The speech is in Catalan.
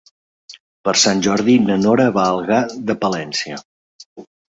Per Sant Jordi na Nora va a Algar de Palància.